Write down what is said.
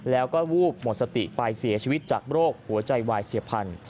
แล้วก็วูบหมดสติไปเสียชีวิตจากโรคหัวใจวายเฉียบพันธุ